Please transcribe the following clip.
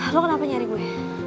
lo kenapa nyari gue